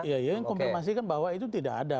iya yang konfirmasikan bahwa itu tidak ada